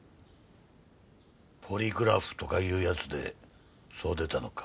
ポリグラフとかいうやつでそう出たのか？